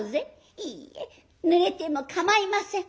「いいえぬれてもかまいません。